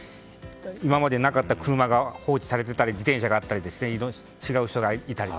今までなかった車が放置されていたり自転車があったり違う人がいたりと。